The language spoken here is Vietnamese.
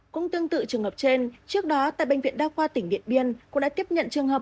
cũng tương tự trường hợp trên trước đó tại bệnh viện đa khoa tỉnh điện biên cũng đã tiếp nhận trường hợp